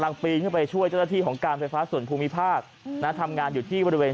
ภาพที่เห็นกำลังปีน